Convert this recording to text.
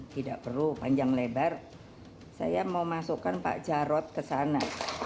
tidak perlu panjang lebar saya mau masukkan pak jarod ke sana